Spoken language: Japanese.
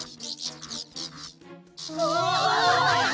うわ！